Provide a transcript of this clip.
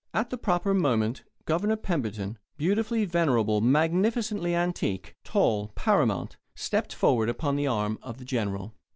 At the proper moment Governor Pemberton, beautifully venerable, magnificently antique, tall, paramount, stepped forward upon the arm of the General.